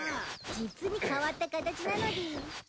実に変わった形なのでぃす。